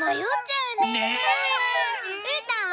うーたんは？